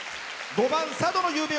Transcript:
５番「佐渡の夕笛」